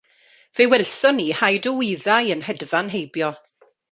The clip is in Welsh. Fe welson ni haid o wyddau yn hedfan heibio.